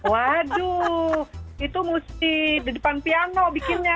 waduh itu mesti di depan piano bikinnya